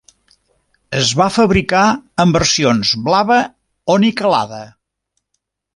Es va fabricar en versions blava o niquelada.